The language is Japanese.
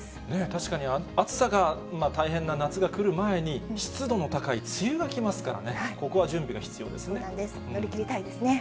確かに暑さが大変な夏が来る前に、湿度の高い梅雨が来ますからね、ここは準備が必要ですね。